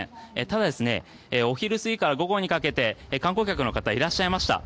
ただ、お昼過ぎから午後にかけて観光客の方いらっしゃいました。